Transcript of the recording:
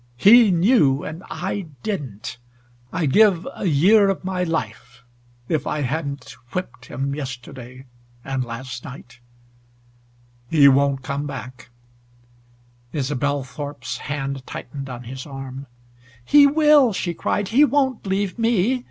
He knew and I didn't. I'd give a year of my life if I hadn't whipped him yesterday and last night. He won't come back." Isobel Thorpe's hand tightened on his arm. "He will!" she cried. "He won't leave me.